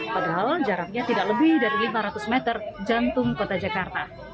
padahal jaraknya tidak lebih dari lima ratus meter jantung kota jakarta